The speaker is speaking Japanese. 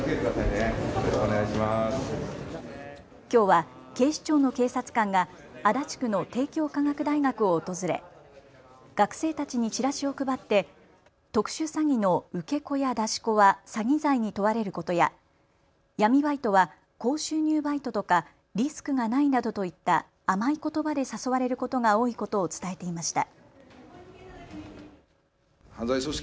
きょうは警視庁の警察官が足立区の帝京科学大学を訪れ学生たちにちらしを配って特殊詐欺の受け子や出し子は詐欺罪に問われることや闇バイトは高収入バイトとかリスクがないなどといった甘いことばで誘われることが多いことを伝えていました。